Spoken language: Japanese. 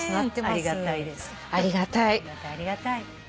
ありがたいありがたい。